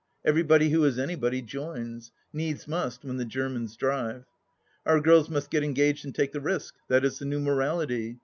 Everybody who is anybody joins. Needs must, when the Gennans drive. Our girls must get engaged and take the risk. That is the new morality.